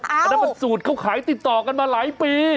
อันนั้นมันสูตรเขาขายติดต่อกันมาหลายปี